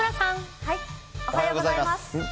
おはようございます。